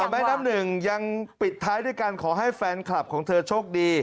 แม่น้ำหนึ่งยังปิดท้ายด้วยการขอให้แฟนคลับของเธอโชคดี